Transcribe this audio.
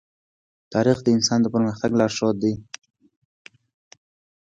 تاریخ د انسان د پرمختګ لارښود دی.